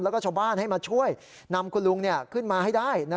แล้วก็ชาวบ้านให้มาช่วยนำคุณลุงขึ้นมาให้ได้